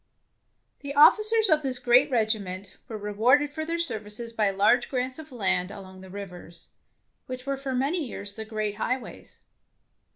The officers of this great regiment were rewarded for their services by large grants of land along the rivers, which were for many years the great highways.